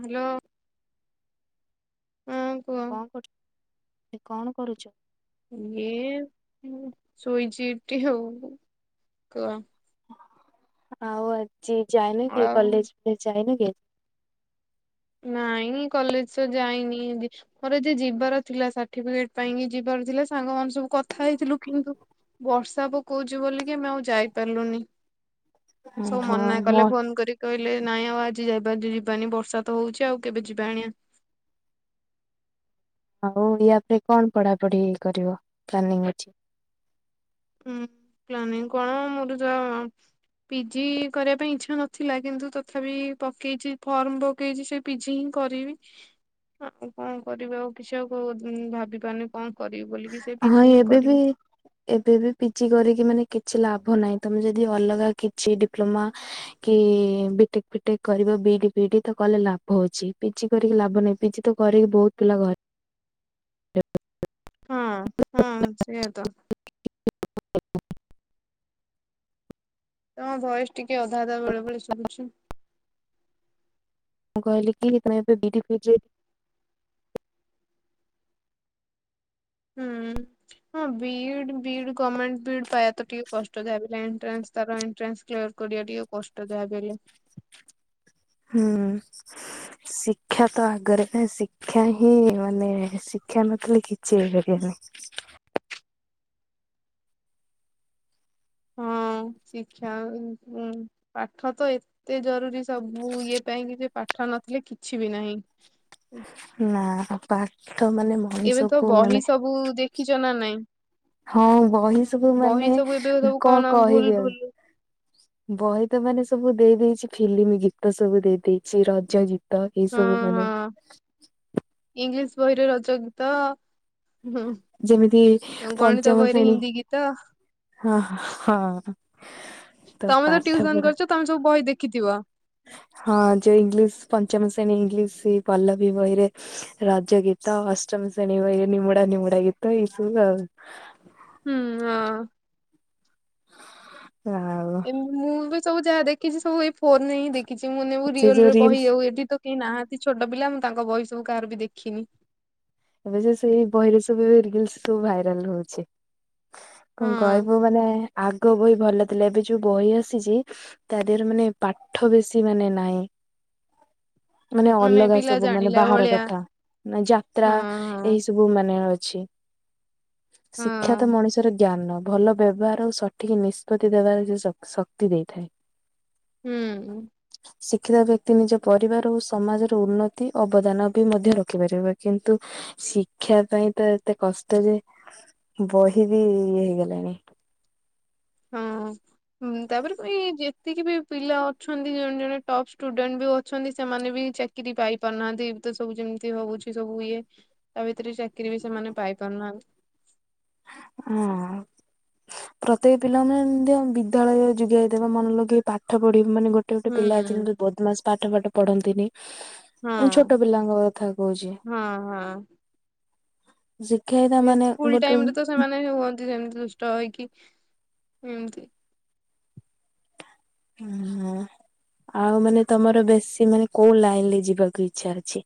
Hello ହଁ। କୁହ କଣ କରୁଛ ଏ କଣ କରୁଛ? ଇଏ ଶୋଇଛି ଏଠି ହଉ କହ। ଆଉ ଆଜି ଯାଇନ କି ଆଉ କଲେଜ ଫ ଯାଇନ କି? ନାଇଁ କଲେଜ ତ ଯାଇନି ବି। ମୋର ଏ ଯେ ଯିବାର ଥିଲା ସାର୍ଟିଫିକେଟ ପାଇଁକି ଯିବାର ଥିଲା। ସାଙ୍ଗ ମାନେ ସବୁ କଥା ହେଇଥିଲୁ କିନ୍ତୁ ବର୍ଷା ପକଉଛି ବୋଲିକି ଆମେ ଆଉ ଯାଇ ପାରିଲୁନି। ସବୁ ଓହୋ ମନା ମୋ କଲେ ଫୋନ କରିକି। କହିଲେ ନାଇଁ ଆଉ ଆଜି ଯ ଯିବାନି ବର୍ଷା ତ ହଉଛି ଆଉ କେବେ ଯିବା ଆଣିଆ। ହଉ ୟା ପରେ କଣ ପଢାପଢି କରିବ ପ୍ଲାନିଙ୍ଗ ଅଛି? ହୁଁ ପ୍ଲାନିଂ କଣ ମୁରୁଜ - ପିଜି କରିବା ପାଇଁ ଇଚ୍ଛା ନଥିଲା। କିନ୍ତୁ ତଥାପି ପକେଇଛି ଫର୍ମ ପକେଇଛି ସେ ପିଜୀ ହିଁ କରିବି ଆଉ କଣ କରିବି ଆଉ କିଛି ଆଉ ଭାବି ପାରୁନି କଣ କରିବି ବୋଲିକି ସେ ହଁ ପିଜୀ ହିଁ ଏବେ ବି କରିବି। ଏବେ ବି ପିଜି କରିକି ମାନେ କିଛି ଲାଭ ନାହିଁ। ତମେ ଯଦି ଅଲଗା କିଛି ଡିପ୍ଲୋମା କି ବିଟେକ ଫିଟେକ କରିବ ବିଡି ଫିଡି ତ କଲେ ଲାଭ ହଉଛି ପିଜି କରିକି ଲାଭ ନ ପିଜି ତ କରିକି ବହୁତ ପିଲା ଘରେ। ହଁ ହଁ ସେୟା ତ। ହଁ। ତମ ଭଏସଟିକେ ଅଧା ଅଧା ବେଳେ ବେଳେ ଶୁଭୁଛି। ମୁଁ କହିଲି କି ତମେବେ ବିଡି ପିଜି ହୁଁ। ହଁ ବିଡି ବିଡି ଗମେଣ୍ଟ ବିଡି ପାଇବା ତ କଷ୍ଟ ଦାୟକ ହେବ। ତାର ଏଟ୍ରଂଶ ଏଟ୍ରାଂଶ। ଚ କରିବା ଟିକେ କଷ୍ଟ ଦୋହାପ। ହୁଁ। ଶିକ୍ଷା ତ ଆଗରେ ନା ଶିକ୍ଷା ହିଁ ମାନେ ଶିକ୍ଷା ନଥିଲେ କିଛି ଠିକଜ [unintelligible] ହଁ ଶିକ୍ଷାଁ। ପାଠ ତ ଏତେ ଜରୁରୀ ସବୁ ଇଏ ପାଇଁ କି ଯେ ପାଠ ନଥିଲେ କିଛି ବି ନାହିଁ। ନା ପାଠ ମାନେ ଏବେ ତ ମଣିଷକୁ ବହି ମାନେ ସବୁ ଦେଖିଛ ନା ନାଇଁ? ହଁ ବହି ସବୁ ବହି ମାନେ ସବୁ ଏବେ ସବୁ କଣ ଭୁଲ କହିବି ଆଉ ଭୁଲ ବହି ତ ମାନେ ସବୁ ଦେଇ ଦେଇେଇଛି ଫିଲ୍ମ ଗୀତ ସବୁ ଦେଇ ଦେଇେଇଛି ରଜ ଗୀତ। ତ ଏଇ ହଁ ସବୁ ମାନେ ହଁ ଇଂଲିଶ ବହିରେ ରଜ ଗୀତ ହୁଁ। ଯେମିତି ଗଣିତ ପଞ୍ଚମ ବହିରେ ଶ୍ରେଣୀ ହିନ୍ଦୀ ଗୀତ। ହଁ ହଁ ତମେ ତ ପାଠ ଟିଉସନ ପଢା କରିଛ ତମେ ସବୁ ବହି ଦେଖିଥିବ। ହଁ ଯୋଉ ଇଂଲିଶ ପଞ୍ଚମ ଶ୍ରେଣୀ ଇଂଲିଶ ପଲ ବି ବହିରେ। ରଜ ଗୀତ ଅଷ୍ଟମ ଶେଣୀ ବହି ନିମୁଡା ନିମୁଡା ଗୀତ ଏଇ ସବୁ ଆଉ ହୁଁ ହଁ। [inaudible] ଏମତି ମୁଁ ବି ସବୁ ଯାହା ଦେଖିଛି ସବୁ ଏଇ ଫୋନରେ ହିଁ ଦେଖିଛି ମୁଁ ନେବୁ ସେ ଯୋଉ ରିଅଲରେ ବହି ରିଲସ ଆଉ ଏଠି ତ କେହି ନାହାନ୍ତି ଛୋଟ ପିଲା ମୁଁ ତାଙ୍କ ବହି ସବୁ କାହାର ବି ଦେଖିନି। ଏବେ ସେ ସେଇ ବହିରେ ସବୁ ଏ ରିଲସ ସବୁ ଭାଇରାଲ ହଉଛି। କଣ ହଁ କହିବୁ ମାନେ ଆଗ ଆଗ ବହି ଭଲ ଥିଲା ଏବେ ଯୋଉ ବହି ଆସିଛି ତା ଦେହରେ ମାନେ ପାଠ ବେଶୀ ମାନେ ନାହିଁ। [inaudible] ମାନେ ଅଲଗା ପିଲା ସବୁ ମାନେ ଜାଣିଲା ବାହାର ଭଳିଆ କଥା ମାନେ ଯାତ୍ରା ଏଇ ହଁ ସବୁ। ସବୁ ମାନେ ଅଛି ହଁ ଶିକ୍ଷା ତ ମଣିଷର ଜ୍ଞାନ। ଭଲ ବ୍ୟବହାର ଆଉ ସଠିକ ନିଷ୍ପତ୍ତି ଦେବାର ସେ ଶ ଶକ୍ତି ଦେଇଥାଏ। ହୁଁ। ଶିକ୍ଷିତ ବ୍ୟକ୍ତି ନିଜ ପରିବାର ଓ ସମାଜର ଉନ୍ନତି ଅବଦାନ ବି ମଧ୍ୟ ରଖିପାରିବ। କିନ୍ତୁ ଶିକ୍ଷା ପାଇଁ ତ ଏତେ କଷ୍ଟ ଯେ ବହି ବି ହେଏଗଲାଣି। ହଁ। ହୁଁ ତାପରେ କ ଯେତିକି ବି ପିଲା ଅଛନ୍ତି ଜଣେ ଜଣେ ଟପ୍ ଷ୍ଟୁଡେଣ୍ଟ ବି ଅଛନ୍ତି ସେମାନେ ବି ଚାକି ଚାକିରୀ ପାଇ ପାରୁନାହାନ୍ତି ତ ସବୁ ଯେମିତି ହଉଛି ସବୁ ଇଏ। ତା ଭିତରେ ଚାକିରୀ ବି ସେମାନେ ପାଇ ପାରୁନାହାନ୍ତି। ହଁ। ପ୍ରତ୍ୟେକ ପିଲାମାନେ ମଧ୍ୟ ବିଦ୍ୟାଳୟ ଯିବେ ଦେଖ ମନ ଲଗେଇ ପାଠ ପଢିବ ମାନେ ଗୋଟେ। ଗୋଟେ ଗୋଟେ ହୁଁ ପିଲା ଅଛନ୍ତି ବଦମାସ ପାଠ ପାଠ ପଢନ୍ତିନି। ଏ ହଁ। ଛୋଟ ପିଲାଙ୍କ କଥା କହୁଛି ହଁ ହଁ ଶିକ୍ଷା ଏ ସ୍କୁଲ ଟାଇମରେ ତ ସେମାନେ ହୁଅନ୍ତି ସେମିତି ଦୁଷ୍ଟ ହେଇକି ଏମିତି ହଁ ଆଉ ମାନେ ତମର ବେଶୀ ମାନେ କୋଉ ଲାଇନ୍ ରେ ଯିବାକୁ ଇଚ୍ଛା ଅଛି?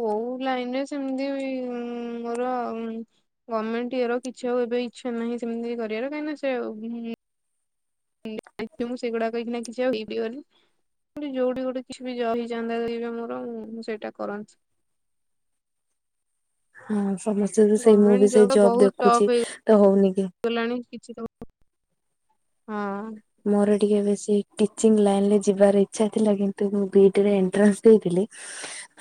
କୋଉ ଲାଇନ୍ ରେ ସେମ୍ତି ବି ମୋର ଗମେଣ୍ଟ ଇଏର କିଛି ଆଉ ଏବେ ଇଚ୍ଛା ନାହିଁ ସେମ୍ତି କରିଆର କାହିଁକିନା ସେ [unintelligible] ମୁଁ ସେଗୁଡା [inaudible] ଯୋଉଠି ଗୋଟେ କିଛି ବି ଜବ୍ ହେଇଯାଆନ୍ତା ଯଦି ମୋର ମୁଁ ସେଇଟା କରନ୍ତି। ହଁ ସମସ୍ତେ ସେଇ ମୁଁ ଗଭର୍ଣ୍ଣମେଣ୍ଟ ବି ସେଇ ଜବ୍ ଦେଖୁଚି, ତ ହଉନି [unintelligible] ଗଲାଣି କିଛି [unintelligible] ହଁ। ମୋର ଟିକେ ବେଶୀ ଟିଚିଂ ଲାଇନ୍ ରେ ଯିବାର ଇଚ୍ଛା ଥିଲା, କିନ୍ତୁ ମୁଁ ବି ଇ ଡି ରେ ଏଣ୍ଟ୍ରାନ୍ସ ଦେଇଥିଲି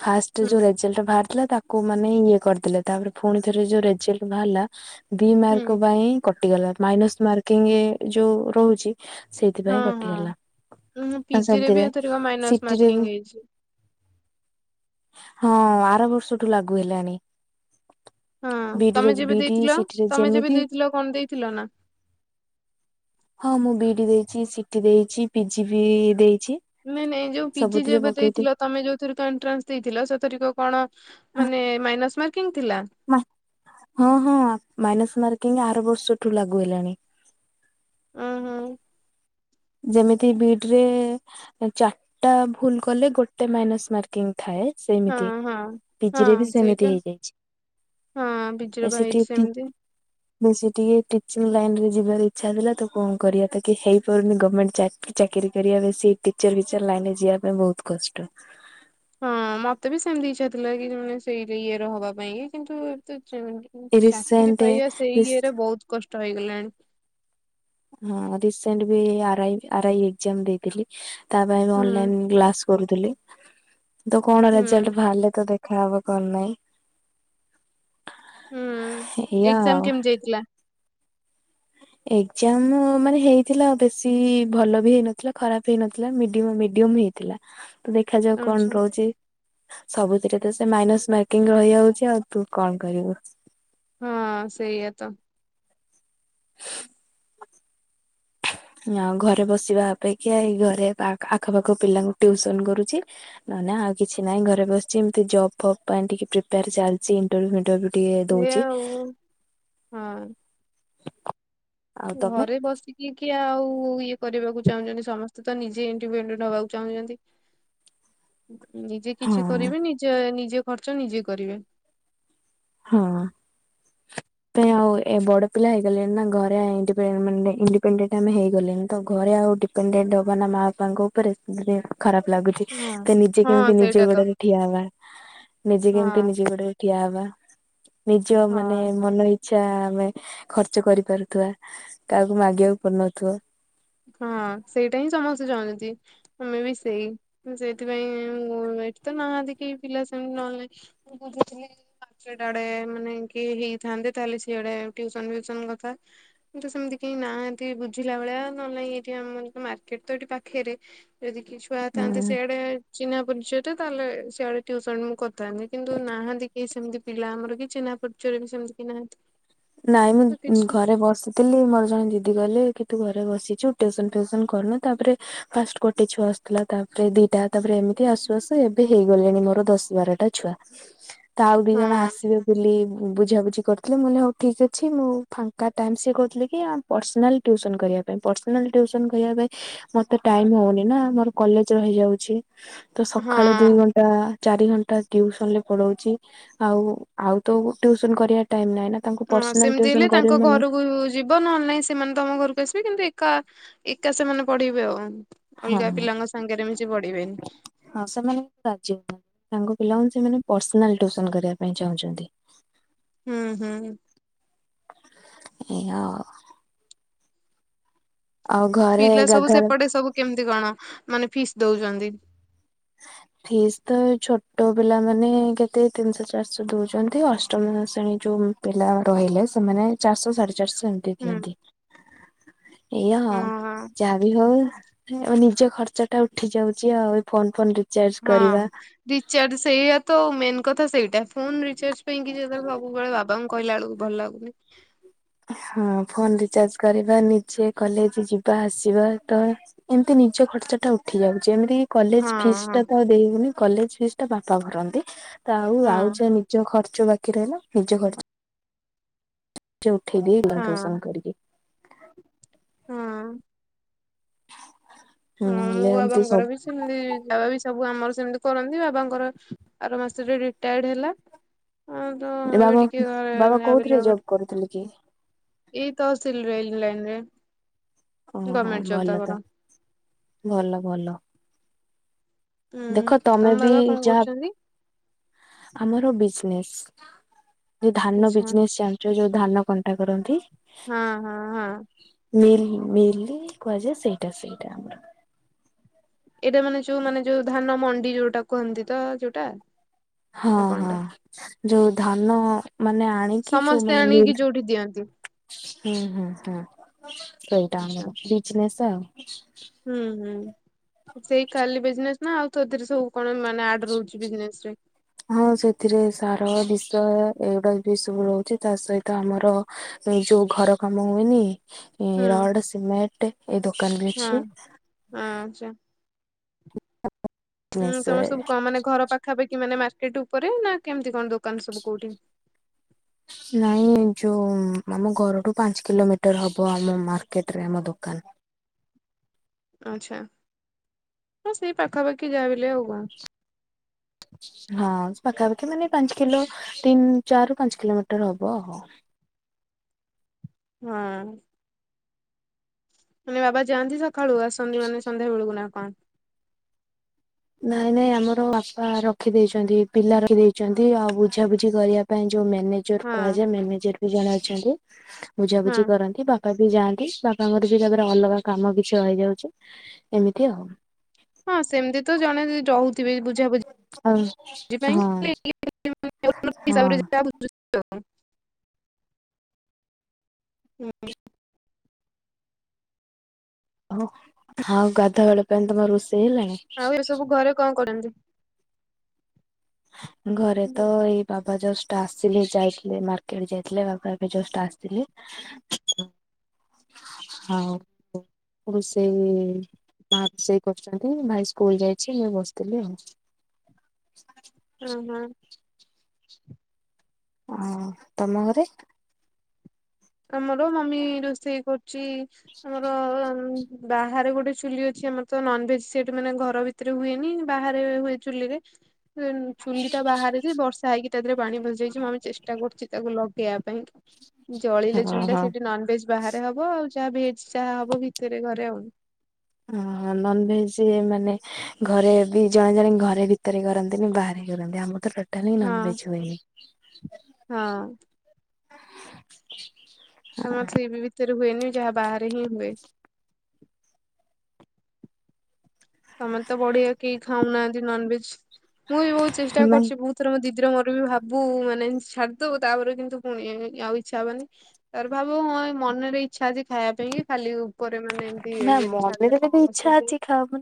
ଫାସ୍ ଷ୍ଟେ ଯୋଉ ହୁଁ ରେଜଲ୍ଟ ବାହାରିଥିଲା ତାକୁ ମାନେ ଇଏ କରିଦଲେ, ତାପରେ ଫୁଣି ଥରେ ଯୋଉ ରେଜଲ୍ଟ ବାହାରିଲା ଦି ହୁଁ ମାର୍କ ପାଇଁ କଟିଗଲା, ମାଇନସ୍ ମାର୍କିଂ ଏ ଯୋଉ ରହୁଚି ହଁ ସେଇଥିପାଇଁ ହଁ। କଟିଗଲା, ଉଁ ଆଉ ପିଜିରେ ବି ସେମ୍ତିରେ ଏଥରିକ ମାଇନସ ସିଟିରେ ମାର୍କିଂ ବି ହେଇଛି। ହଁ, ଆର ବର୍ଷଠୁ ଲାଗୁ ହେଲାଣି। ହଁ ବିଡିରେ ତମେ ଯେବେ ବିଡି ଦେଇଥିଲ, ସିଟିରେ ତମେ ଯେବେ ଯେମିତି ଦେଇଥିଲ କଣ ଦେଇଥିଲ ନା? ହଁ ମୁଁ ବି ଇଡି ଦେଇଚି, ସିଟି ଦେଇଚି, ପିଜି ବି ଦେଇଚି। ନାଇଁ-ନାଇଁ ଯୋଉ ପିଜି ଯେବେ ଦେଇଥିଲ, ତମେ ଯୋଉଥରିକ ଏଣ୍ଟ୍ରାନ୍ସ ଦେଇଥିଲ ସେହି ଥରିକ କଣ ମାନେ ମାଇନସ୍ ମାର୍କିଂ ଥିଲା? ମା ହଁ-ହଁ ମାଇନସ୍ ମାର୍କିଂ ଆର ବର୍ଷଠୁ ଲାଗୁ ହେଲାଣି। ଉଁହୁଁ। ଯେମିତି ବି ଇଡି ରେ ଚାରିଟା ଭୁଲ୍ କଲେ ଗୋଟେ ମାଇନସ୍ ମାର୍କ। [unintelligible] ଥାଏ ସେମିତି ହଁ ହଁ। ପିଜିରେ ବି ହଁ ସେଇଟା ସେମିତି ହେଇଯାଇଚି। ହଁ ପିଜିରେ ପା ହେଇଛି ସେମିତି। [inaudible] ବେଶୀ ଟିକେ ଟିଚିଂ ଲାଇନ୍ ରେ ଯିବାର ଇଚ୍ଛା ଥିଲା, ତ କଣ କରିଆ [unintelligible] ହେଇପାରୁନି ଗ ମେଣ୍ଟ ଚା ଚାକିରି କରିବା ବେଶି ଟିଚର୍ ଫିଚର୍ ଲାଇନ୍ ରେ ଯିବା ପାଇଁ ବହୁତ୍ କଷ୍ଟ। ହଁ ମତେ ବି ସେମ୍ତି ଇଛା ଥିଲା କି [unintelligible] ସେଇ ଇଏ ର ହବା ପାଇଁ କି କିନ୍ତୁ [inaudible] ଚାକିରି ରିସେଣ୍ଟ ପାଇଆ ସେଇ ରିସ ଇଏରେ ବହୁତ୍ କଷ୍ଟ ହେଇଗଲାଣି। ହଁ ରସେଣ୍ଟ ବି R I R I exam ଦେଇଥିଲି ତା ପାଇଁ ବି ହୁଁ ଅନଲାଇନ୍ କ୍ଲାସ୍ କରୁଥିଲି ତ କଣ ହୁଁ ରେଜଲ୍ଟ ଭାରିଲେ ତ ଦେଖାହବ [unintelligible] ନାହିଁ। ହୁଁ ଏଇଆ ଏକ୍ଜାମ୍ ଆଉ କେମିତି ଯାଇଥିଲା? ଏକ୍ଜାମ୍ ମାନେ ହେଇଥିଲା ବେଶୀ ଭଲ ବି ହେଇନଥିଲା, ଖରାପ୍ ହେଇନଥିଲା ମିଡିଅମ୍ ମିଡିୟମ୍ ହେଇ ଥିଲା, ତ ଦେଖାଯାଉ କଣ ଆଚ୍ଛା। ରହୁଚି। ସବୁଥିରେ ତ ସେ ମାଇନସ୍ ମାର୍କିଂ ରହିଯାଉଚି ଆଉ ତୁ କଣ କରିବୁ। ହୁଁ ସେଇଆ ତ। ଆଉ ଘରେ ବସିବା ଅପେକ୍ଷା ଏଇ ଘରେ ଆଖପାଖ ପିଲାଙ୍କୁ ଟ୍ୟୁସନ୍ କରୁଚି। [unintelligible] ଆଉ କିଛି ନାହିଁ ଘରେ ବସ୍ଚି ଏମିତି ଜବ୍ ଫବ୍ ପାଇଁ ଟିକେ ପ୍ରିପେୟାର ଚାଲ୍ ସେ ଇଣ୍ଟରଭ୍ୟୁ ଫିନ୍ଟରଭ୍ୟୁ ଟିକେ ସେଇଆ ଦଉଚି। ଆଉ। ହଁ ଘରେ ବସିି କି କିଏ ଆଉ ଇଏ କରିବାକୁ ଚାହୁଁଚନ୍ତି, ସମସ୍ତେ ତ ନିଜେ ଇଣ୍ଡିପେନ୍ଡେଣ୍ଟ ହବାକୁ ଚାହୁଁଚନ୍ତି। ନିଜେ ହଁ କିଛି କରିବେ, ନିଜେ-ନିଜେ ଖର୍ଚ୍ଚ ନିଜେ କରିବେ। ହଁ। [unintelligible] ଆଉ ଏ ବଡ ପିଲା ହେଇଗଲେଣି ନା, ଘରେ ଇଣ୍ଡିପେ ମାନେ ଇଣ୍ଡିପେଣ୍ଡେଣ୍ଟ ଆମେ ହେଇଗଲେଣି ତ ଘରେ ଆଉ ଟି [unintelligible] ହବା ନା ମା ବାପାଙ୍କ ଉପରେ [unintelligible] ଖରାପ ଲାଗୁଚି ହଁ ତ ନିଜେ କେମ୍ତି ହଁ ନିଜେ ସେଇଟା ତ। ଗୋଡରେ ଠିଆ ହବା, ନିଜେ ହଁ କେମ୍ତି ନିଜେ ଗୋଡରେ ଠିଆ ହବା, ନିଜ ହଁ। ମାନେ ମନ [unintelligible] ଯାହା ଆମେ ଖର୍ଚ୍ଚ କରିପାରୁଥିବା କାହାକୁ ମାଗିବାକୁ ପଡୁନଥିବ। ହଁ ସେଇଟା ହିଁ ସମସ୍ତେ ଜାଣନ୍ତି। ଆମେ ବି ସେଇ ସେଇଥିପାଇଁ ଏଠି ତ ନାହାନ୍ତି କେହି ପିଲା ସେମିତି ନହେଲେ ମୁଁ ବୁଝୁଥିଲି ପାଞ୍ଚଟା ମାନେ କିଏ ହେଇଥାନ୍ତେ ତାହେଲେ ଟିଉସନ ଫିଉସନ କଥା। କିନ୍ତୁ ସେମିତି କେହି ନାହାନ୍ତି ବୁଝିଲା ଭଳିଆ। ନହେଲେ ନାଇଁ ଏଠି ଆମର ମାର୍କେଟତ ଏଠି ପାଖରେ ଯଦି କି ଛୁଆ ଉଁ ଥାନ୍ତେ ସେଆଡେ ଚିହ୍ନା ପରିଚୟତ ତାହଲେିଆଡେ ଟଟିୁସନ ମୁଁ କରିଥାନ୍ତି କିନ୍ତୁ ନାହାନ୍ତି କେହି ସେମିତି ପିଲା ଆମର କି ଚିହ୍ନା ପରିଚୟ ପରିଚୟ ବି ସେମିତି ନାହାନ୍ତି। ନାଇଁ ତ ମୁଁ କିଛି ଘରେ ବସିିଛି ଥିଲି ମୋର ଜଣେ ଦିଦି କହିଲେ କି ତୁ ଘରେ ବସିଛୁ ଟ୍ୟୁସନ ଫ୍ୟୁସନ୍ କରୁନୁ ତା ପରେ ଫାଷ୍ଟ ଗୋଟେ ଛୁଆ ଆସୁଥିଲା ତାପରେ ଦିଟା ତାପରେ ଏମିତି ଆସୁ ଆସୁ ଏବେ ହେଇଗଲେଣି ମୋର ଦଶ ବାରଟା ଛୁଆ। ତ ଆଉ ଦି ହଁ ଜଣ ଆସିବେ ବୋଲି ବୁଝାବୁଝି କରିୁଥିଲେ ମୁଁ କହିଲି ହଉ। ଠିକ୍ ଅଛି ମୁଁ ଫାଙ୍କା ଟାଇମ୍ ସିଏ କହୁଥିଲି କି ପର୍ସନାଲ୍ ଟ୍ୟଉସନ୍ କରିବା ପାଇଁ ପର୍ସନାଲ୍ ଟ୍ୟୁସନ୍ କରିବା ପାଇଁ ମତେ ଟାଇମ ହଉନି ନା ମୋର କଲେଜ ରହିଯାଉଛି ତ ସକାଳେ ଦୁଇ ହଁ ଘଣ୍ଟା। ଚାରି ଘଣ୍ଟା ଟିଉସନରେ ପଢଉଛି। ଆଉ ଆଉତ ଟ୍ୟୁସନ କରିବା ଟାଇମ୍ ନାଇଁ ନା ତାଙ୍କୁ ହଁ ପର୍ସନାଲ ସେମିତି ହେଲେ ଟ୍ୟୁସନ୍ ତାଙ୍କ କରିବି ମାନେ ଘରକୁ ଯିବ ନ ହେଲେ ନାହିଁ ସେମାନେ ତମ ଘରକୁ ଆସିବେ କିନ୍ତୁ ଏକା ଏକା ସେମାନେ ପଢିବେ ଆଉ। ହଁ ଅଲଗା ପିଲାଙ୍କ ସାଙ୍ଗରେ ମିଶି ପଢିବେନି। ହଁ ସେମାନେ ରାଜି ହଉନାହାନ୍ତି ତାଙ୍କ ପିଲାଙ୍କୁ ସେମାନେ ପସର୍ନାଲ ଟିଉସନ କରିବା ପାଇଁ ଚାହୁଁଛନ୍ତି। ହୁଁ ହୁଁ ଏଆ ଆଉ ଆଉ ଘରେ ପିଲା ସବୁ ଗାଧୁଆଳ ସେପଟେ ସବୁ କେମିତି କଣ ମାନେ ଫିସ୍ ଦଉଛନ୍ତି? ଫିସ୍ ତ ଛୋଟ ପିଲାମାନେ କେତେ ତିନିଶହ ଚାରିଶହ ଦଉଛନ୍ତି ଅଷ୍ଟମ ଶ୍ରେଣୀ ଯଉଁ ପିଲା ରହିଲେ ସେମାନେ ଚାରିଶହ ସାଢେ ଚାରିଶହ ଏମିତି ହୁଁ ଦିଅନ୍ତି। ଏଇଆ ଆଉ ହଁ ଯାହା ବିି ହଉ ନିଜ ଖର୍ଚ୍ଚ ଟା ଉଠି ଯାଉଛି ଆଉ ଏ ଫୋନ ଫୋନ ରି ହଁ ରିଚାର୍ଜ ସେଇଆ ତ ମେନ୍ କଥା ସେଇ ତା ଫୋନ୍ ରିଚାର୍ଜ ପାଇଁକ କି ଯେତେବେଳେ ସବୁବେଳେ ବାବାଙ୍କୁ କହିଲା ବେଳକୁ ଭଲ ଲାଗୁନି। ହଁ ଫୋନ୍ ରିଚାର୍ଜ କରିବା, ନିଜେ କଲେଜ୍ ଯିବା ଆସିବା ତ ଏମିତି ନିଜ ଖର୍ଚ୍ଚ ଟା ଉଠି ଉଠି ଯାଉଛି ଏମିତି କଲେଜ୍ ହଁ ଫିସ୍ ହଁ ଟା ତ ଦେଇ ହଉନି କଲେଜ୍ ଫିସ୍ ଟା ବାପା ଭରନ୍ତି। ତ ଆଉ ହଁ ଆଉ ଯାହା ନିଜ ଖର୍ଚ ବାକି ରହିଲା ନିଜ ଖର୍ଚ୍ଚ ନିଯେ ଉଠେଇଦିଏ ହଁ ଟିଉସନ୍ କରିକି। ହଁ। ହଁ ମୋ ନହେଲେ ଏମତି ବାବାଙ୍କର ବି ସବୁ ସେ ସେମିତି ବାବାବି ସବୁ ଆମର ସେମିତି କରନ୍ତି ବାବାଙ୍କର ଆର ମାସରେ ରିଟାୟାର୍ଡ ହେଲା। ଆଉ ତ ଏବେ ବାବା ଟିକେ ଘରେ ବାବା କୋଉଥିରେ ଭାବିଲ ଜବ୍ [unintelligible] କରୁଥିଲେ କି? ଏଇ ତହସିଲ୍ ରେଲ୍ ଲାଇନ୍ ରେ ଓହୋ ଗଭର୍ମେଣ୍ଟ ଜବ୍ ଭଲ ତ ତାଙ୍କର। ଭଲ ଭଲ। ହୁଁ ଦେଖ ତମ ତମେ ବି ବାବା କଣ ଯାହା କରୁଛନ୍ତି? ଆମର ବିଜନେସ୍ ଯେ ଧାନ ଆଚ୍ଛା ବିଜନେସ୍ ଚାଲି ଯୋଉ ଯୋଉ ଧାନ କଣ୍ଟା କରନ୍ତି। ହଁ ହଁ ହଁ। ମିଲ୍ ମିଲ୍ କୁହାଯାଏ ସେଇଟା ସେଇଟା ଆମର। ଏଇଟା ମାନେ ଯୋଉ ମାନେ ଯୋଉ ଧାନ ମଣ୍ଡି ଯୋଉଟା କୁହନ୍ତି ତ ଯୋଉଟା? ହଁ ନା ହଁ କଣଟା ଯୋଉ ଧାନ ମାନେ ଆଣିକି ସମସ୍ତେ ଯୋଉମାନୋ ଆଣିକି ମିଲ୍ ଯୋଉଠି ଦିଅନ୍ତି ହୁଁ ହୁଁ ହୁଁ ସେଇଟା ଆଚ୍ଛା ଆମର ବିଜିନେସ୍ ଆଉ। ହୁଁ ହୁଁ ସେଇ ଖାଲି ବିଜିନେସ୍ ନା ଆଉ ତୋଦରେ ସବୁ କଣ ମାନେ ଆଡ଼େ ରହୁଚି ବିଜନେସ ରେ। ହଁ ସେଥିରେ ସାର ବିଶ ଏଗୁଡ଼ାକ ବିସବୁ ରହୁଚି ତା ସହିତ ଆମର ଏ ଯୋଉ ଘର କାମ ହୁଏନି ହୁଁ ଏ ରଡ଼ ସିମେଣ୍ଟ ଏଇ ଦୋକାନ ବି ଅଛି। ଆଛା ଉଁ ତମର ଭୁବନେଶ୍ୱରରେ ସବୁ କଣ ମାନେ ଘର ପା ପାଖାପାଖି ମାନେ ମାର୍କେଟ ଉପରେ ନା କେମିତି କଣ ଦୋକାନ ସବୁ କୋଉଠି। ନାଇଁ ଯୋଉ ଆମ ଘରଠୁ ପାଞ୍ଚ କିଲୋମିଟର ହବ ଆମ ମାର୍କେଟରେ ଆମ ଦୋକାନ। ଆଚ୍ଛା ହଁ ସେଇ ପାଖାପାଖି ଯାହା ବିହେଲେ ଆଉ କଣ। ହଁ ପାଖାପାଖି ମାନେ ପାଞ୍ଚ କିଲୋ ତିନି ଚାରି ରୁ ପାଞ୍ଚ କିଲୋମିଟର ହବ ଆଉ। ହଁ। ମାନେ ବାବା ଯାଆନ୍ତି ସଖାଳୁ ଆସନ୍ତି ମାନେ ସନ୍ଧ୍ୟା ବେଳକୁ ନା କଣ। ନାଇଁ ନାଇଁ ଆମର ବାପା ରଖିଦେଇଛନ୍ତି ପିଲା ରଖିଦେଇଛନ୍ତି ଆଉ ବୁଝାବୁଝି କରିବା ପାଇଁ ଯୋଉ ମ୍ୟାନେଜର ହଁ କୁହାଯାଏ ମ୍ୟାନେଜର ବି ଜଣେ ଅଛନ୍ତି ହଁ ବୁଝାବୁଝି କରନ୍ତି ବା ବାପା ବି ଯାଆନ୍ତି ବାପାଙ୍କର ବି ତାପରେ ଅଲଗା କାମ କିଛି ରହିଯାଉଛି ଏମିତି ଆଉ। ହଁ ସେମିତି ତ ଜଣେ ଯଉଥିବେ ବୁଝାବୁଝି ଆଉ ହଁ ହଁ। [unintelligible] ହୁଁ ଓହ ଆଉ ଗାଧୁଆ ବେଳ ପାଇଁ ତମର ରୋଷେଇ ହେଲାଣି। ଆଉ ଏସବୁ ଘରେ କଣ କରନ୍ତି। ଘରେ ହଁ ତ ଏଇ ବାବା ଜଷ୍ଟ ଆସିଲେ ଯାଇଥିଲେ ମାର୍କେଟ ଯାଇଥିଲେ ବାବା ଏବେ ଜଷ୍ଟ ଆସିଲେ। [inaudible] ହାଉ ରୋଷେଇ ହେଇନି ମା ରୋଷେଇ କରୁଚନ୍ତି ଭାଇ ସ୍କୁଲ ଯାଇଚି ମୁଁ ଏଇ ବସିଥିଲି ଆଉ। ଉହୁଁ। ଆଉ ତମ ଘରେ। ଆମର ମମି ରୋଷେଇ କରୁଚି ଆମର ବାହାରେ ଗୋଟେ ଚୁଲି ଅଛି ଆମର ତ ନନଭେଜ୍ ସେଠି ମାନେ ଘର ଭିତରେ ହୁଏନି ବାହାରେ ହୁଏ ଚୁଲିରେ। [inaudible] ଚୁଲି ଟା ବାହାରେଯେ ବର୍ଷା ହେଇକି ତା ଦେହରେ ପାଣି ପସିଯାଇଛି ମମି ଚେଷ୍ଟା କରୁଚି ତାକୁ ଲଗେଇବା ପାଇଁ। ଜଳିଲେ ହଁ ଚୁଲିଟା ହଁ। ସେଇଠି ନନ ଭେଜ ବାହାରେ ହବ ଆଉ ଜାହା ଭେଜ ଜାହା ହବ ଭିତରେ ଘରେ ଆଉ। ଆଁ ନନଭେଜ ମାନେ ଘରେ ବି ଜଣେ ଜଣେ ଘରେ ଭିତରେ କରନ୍ତିନି ବାହାରେ କରନ୍ତି ଆମ ତ ତୋଟା [inaudible] ହଁ ନନ୍ଭେଜ ହୁଏ। ହଁ ଆମର ସେଇ ବି ଭିତରେ ହୁଏନି ଯାହା ବାହାରେ ହିଁ ହୁଏ। ତମନତ ବଢିଆ କେହି ଖାଉନାହାନ୍ତି ନନ୍ ଭେଜ ମୁଁ ବି ବହୁତ ଚେଷ୍ଟା ନାଇଁ କରୁଛି ବହୁତ ଥରେ ମୋ ଦିଦିର ମୋର ବି ଭାବୁ ମାନେ ଇଁ ଛାଡଦବୁ ତାପରେ କିନ୍ତୁ ପୁଣି ଇନ୍ ଆଉ ଇଚ୍ଛା ହବନି। ତାଅରେ ଭାବୁ ହଁ ଏ ମନରେ ଇଚ୍ଛା ଅଛି ଖାଇବା ପାଇଁ କି ଖାଲି ଉପ ପରେ ମାନେ ଏମିତି ନା ଇଏରେ ଛାଡିଲେ ମନରେ ବି କଣ ଇଚ୍ଛା ବସିଲି ଅଛି [inaudible] ଖାଅ ମାନେ